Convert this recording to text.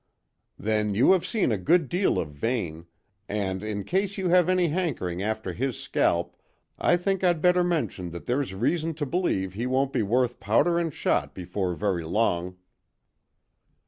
"Then you have seen a good deal of Vane, and, in case you have any hankering after his scalp, I think I'd better mention that there's reason to believe he won't be worth powder and shot before very long."